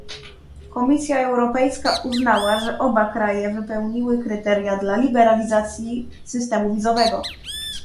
Komisja Europejska uznała, że oba kraje wypełniły kryteria dla liberalizacji systemu wizowego